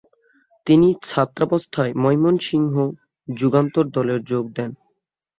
তিনি ছাত্রাবস্থায় ময়মনসিংহ যুগান্তর দলে যোগ দেন।